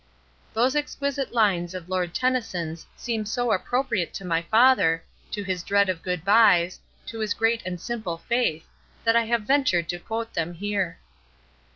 Those exquisite lines of Lord Tennyson's seem so appropriate to my father, to his dread of good byes, to his great and simple faith, that I have ventured to quote them here.